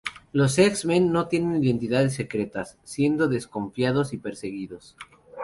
Los X-Men no tienen identidades secretas, siendo desconfiados y perseguidos.